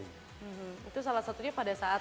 itu salah satunya pada saya